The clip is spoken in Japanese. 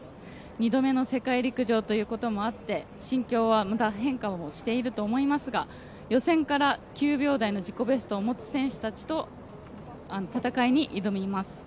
２度目の世界陸上ということもあって、心境はまた変化をしていると思いますが予選から９秒台の自己ベストを持つ選手たちと戦いに挑みます。